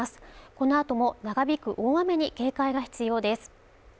このあとも長引く大雨に警戒が必要です